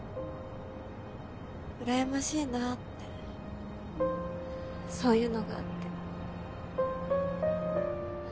羨ましいなってそういうのがあって。